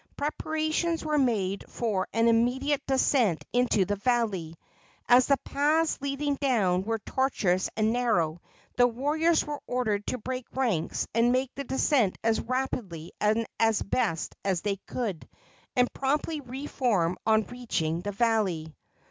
Preparations were made for an immediate descent into the valley. As the paths leading down were tortuous and narrow, the warriors were ordered to break ranks and make the descent as rapidly and as best they could, and promptly re form on reaching the valley.